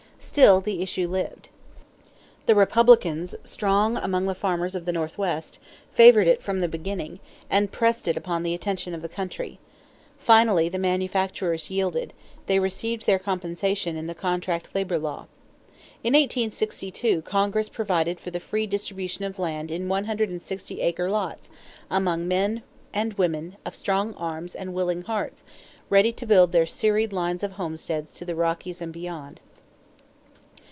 Still the issue lived. The Republicans, strong among the farmers of the Northwest, favored it from the beginning and pressed it upon the attention of the country. Finally the manufacturers yielded; they received their compensation in the contract labor law. In 1862 Congress provided for the free distribution of land in 160 acre lots among men and women of strong arms and willing hearts ready to build their serried lines of homesteads to the Rockies and beyond.